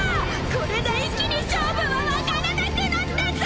これで一気に勝負はわからなくなったぞ！